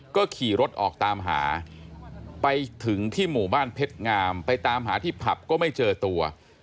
ก็ขี่รถออกตามหาไปถึงที่หมู่บ้านเพชรงามไปตามหาที่ผับก็ไม่เจอตัว